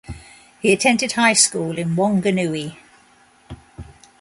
He attended high school in Wanganui.